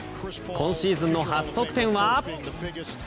今シーズンの初得点は。